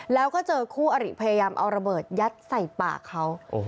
แล้วก็เจอคู่อริพยายามเอาระเบิดยัดใส่ปากเขา